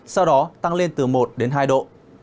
sau đó tăng lên từ một đến hai độ